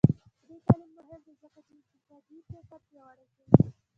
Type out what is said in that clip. عصري تعلیم مهم دی ځکه چې انتقادي فکر پیاوړی کوي.